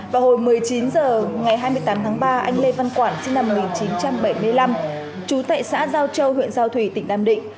vào hồi một mươi chín h ngày hai mươi tám tháng ba anh lê văn quản sinh năm một nghìn chín trăm bảy mươi năm trú tại xã giao châu huyện giao thủy tỉnh nam định